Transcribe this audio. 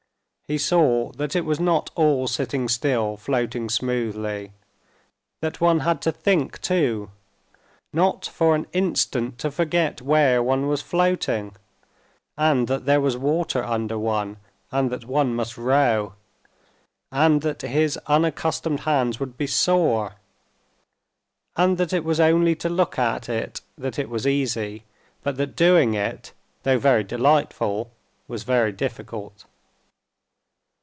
He saw that it was not all sitting still, floating smoothly; that one had to think too, not for an instant to forget where one was floating; and that there was water under one, and that one must row; and that his unaccustomed hands would be sore; and that it was only to look at it that was easy; but that doing it, though very delightful, was very difficult.